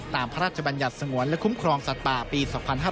พระราชบัญญัติสงวนและคุ้มครองสัตว์ป่าปี๒๕๕๙